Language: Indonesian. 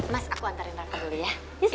mas aku antarin rafa dulu ya